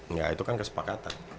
enggak itu kan kesepakatan